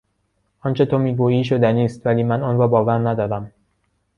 آنچه تو میگویی شدنی است ولی من آن را باور ندارم.